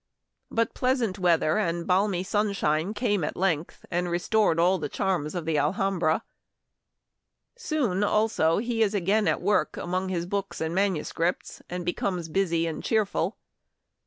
But pleasant weather and balmy sun shine came at length, and restored all the charms of the Alhambra. Soon, also, he is again at work among his books and manuscripts, and becomes busy and cheerful.